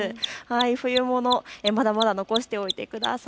冬物、まだまだ残しておいてください。